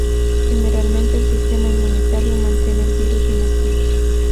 Generalmente, el sistema inmunitario mantiene el virus inactivo.